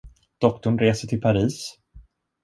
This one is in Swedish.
Doktorn reser till Paris?